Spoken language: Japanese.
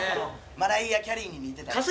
マライア・キャリーに似てたって。